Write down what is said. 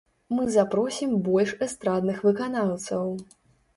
Мы запросім больш эстрадных выканаўцаў.